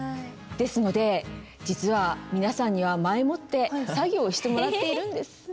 ですので実は皆さんには前もって作業をしてもらっているんです。